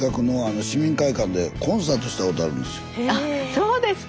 そうですか！